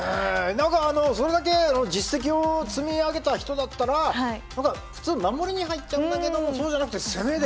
何かそれだけ実績を積み上げた人だったら普通守りに入っちゃうんだけどもそうじゃなくて攻めで。